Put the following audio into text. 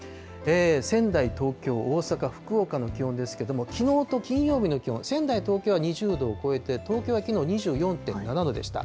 仙台、東京、大阪、福岡の気温ですけれども、きのうと金曜日の気温、仙台、東京は２０度を超えて、東京はきのう２４．７度でした。